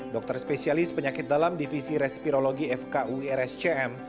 dokter spesialis penyakit dalam divisi respirologi fku irs cm